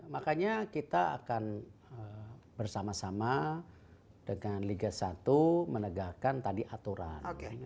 makanya kita akan bersama sama dengan liga satu menegakkan tadi aturan